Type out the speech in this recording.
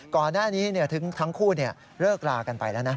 ก่อนหน้านี้ทั้งคู่เลิกรากันไปแล้วนะ